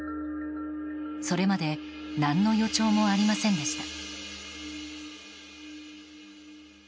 それまで何の予兆もありませんでした。